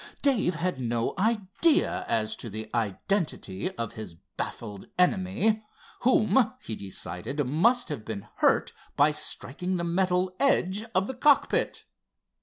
Dave had no idea as to the identity of his baffled enemy, whom he decided must have been hurt by striking the metal edge of the cockpit.